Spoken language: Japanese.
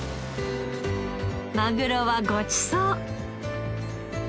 マグロはごちそう。